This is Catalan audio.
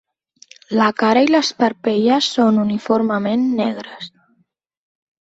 La cara i les parpelles són uniformement negres.